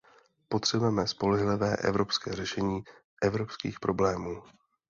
Potřebujeme spolehlivé evropské řešení evropských problémů.